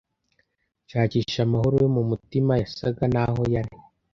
nshakisha amahoro yo mu mutima yasaga n aho yari